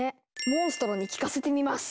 モンストロに聞かせてみます。